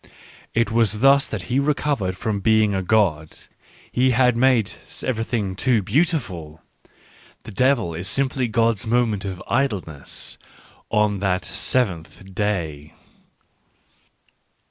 It was thus that He recovered from being a God. ... He had made everything too beautiful. ... The devil is simply God's moment of idleness, on that seventh day.